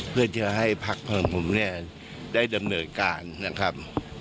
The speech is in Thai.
เพื่อเชื่อให้พลักษณ์พลังประชารัฐผมเนี่ยได้ดำเนินการนะครับ